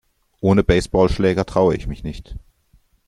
Ohne Baseballschläger traue ich mich nicht.